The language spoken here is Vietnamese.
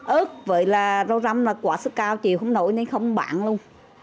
ước với rau răm là quả sức cao chịu không nổi nên không bán luôn